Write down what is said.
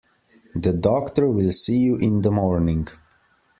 The doctor will see you in the morning.